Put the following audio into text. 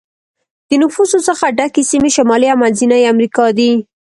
د نفوسو څخه ډکې سیمې شمالي او منځنی امریکا دي.